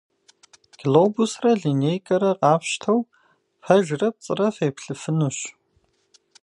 Глобусрэ линейкэрэ къафщтэу, пэжрэ пцӀырэ феплъыфынущ.